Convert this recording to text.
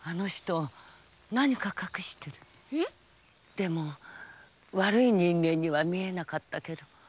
でも悪い人間には見えなかったけど。